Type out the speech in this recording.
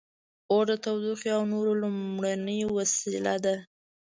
• اور د تودوخې او نور لومړنۍ وسیله وه.